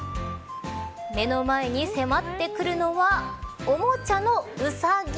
目の前に迫ってくるのはおもちゃのウサギ。